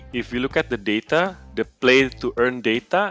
jika kita melihat data data yang diperlukan untuk memperoleh data